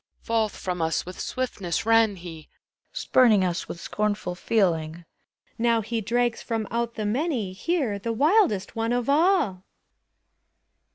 Forth from us with swiftness ran he! Spuming us with scornful feeling. Now he drags from out the many Here, the wildest one of all.